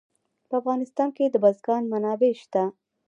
په افغانستان کې د بزګان منابع شته.